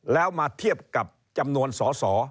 แล้วมาเทียบกับจำนวนสอสอ